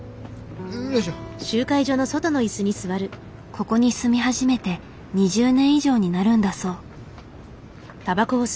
ここに住み始めて２０年以上になるんだそう。